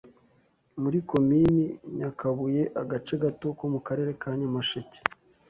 muri Komini Nyakabuye (Agace gato ko mu Karere ka Nyamasheke)